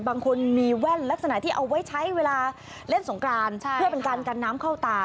บางคนมีแว่นลักษณะที่เอาไว้ใช้เวลาเล่นสงกรานเพื่อเป็นการกันน้ำเข้าตา